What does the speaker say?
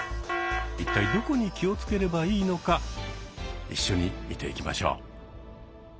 一体どこに気を付ければいいのか一緒に見ていきましょう。